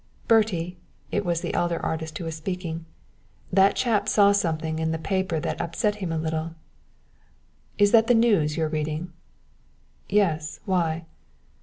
"Bertie," it was the elder artist who was speaking, "that chap saw something in the paper that upset him a little is that the News you're reading?" "Yes why?"